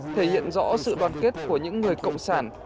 thể hiện rõ sự đoàn kết của những người cộng sản